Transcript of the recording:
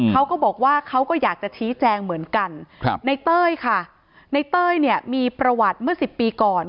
เขาก็บอกว่าเขาก็อยากจะชี้แจงเหมือนกันในเต้ยค่ะในเต้ยเนี่ยมีประวัติเมื่อ๑๐ปีก่อน